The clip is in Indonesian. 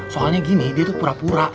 soalnya gini dia tuh pura pura